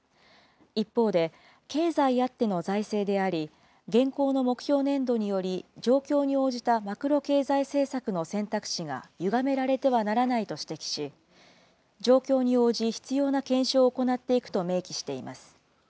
一方で、経済あっての財政であり、現行の目標年度により状況に応じたマクロ経済政策の選択肢がゆがめられてはならないと指摘し、状況に応じ、必要な検証を行っていくと明記しています。